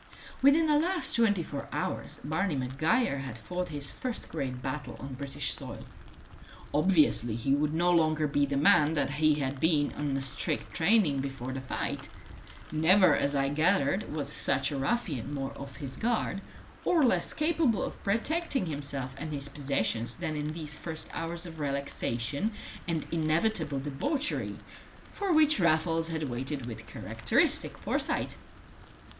Within the last twenty four hours Barney Maguire had fought his first great battle on British soil. Obviously, he would no longer be the man that he had been in the strict training before the fight; never, as I gathered, was such a ruffian more off his guard, or less capable of protecting himself and his possessions, than in these first hours of relaxation and inevitable debauchery for which Raffles had waited with characteristic foresight.